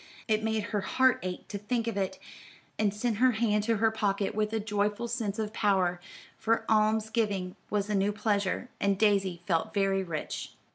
It made her heart ache to think of it, and sent her hand to her pocket with a joyful sense of power; for alms giving was a new pleasure, and Daisy felt very rich.